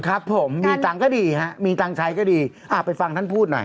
ครับผมมีตังค์ใช้ก็ดีไปฟังท่านพูดหน่อย